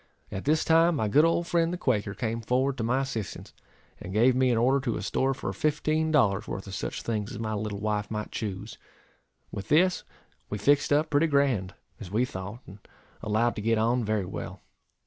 At this time, my good old friend the Quaker came forward to my assistance, and gave me an order to a store for fifteen dollars' worth of such things as my little wife might choose. With this, we fixed up pretty grand, as we thought, and allowed to get on very well.